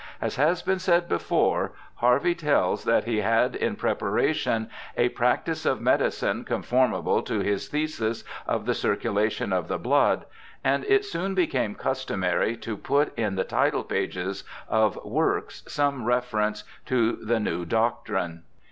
As has been said before, Harvey tells that he had in preparation a Practice of Medicine confoniiable to his Thesis of the Ciradation of the Blood, and it soon became customary to put in the title pages of works some reference to the new doctrine.